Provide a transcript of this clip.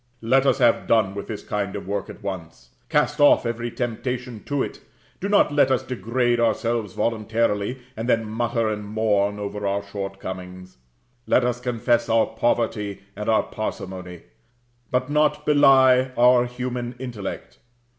Let us have done with this kind of work at once: cast off every temptation to it: do not let us degrade ourselves voluntarily, and then mutter and mourn over our short comings; let us confess our poverty or our parsimony, but not belie our human intellect.